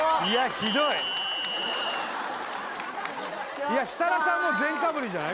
ひどいいや設楽さんも全かぶりじゃない？